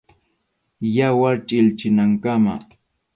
Yawar chilchinankama.